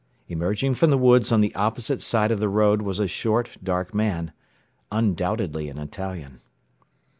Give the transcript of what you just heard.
Emerging from the woods on the opposite side of the road was a short, dark man undoubtedly an Italian.